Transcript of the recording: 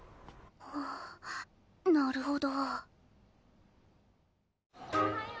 あなるほど。